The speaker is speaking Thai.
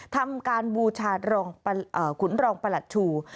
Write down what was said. ทำการบูชาขุนรองประหลัดชู